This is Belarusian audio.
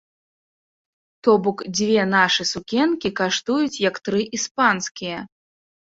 То бок дзве нашы сукенкі каштуюць як тры іспанскія.